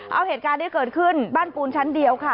เอาเหตุการณ์ที่เกิดขึ้นบ้านปูนชั้นเดียวค่ะ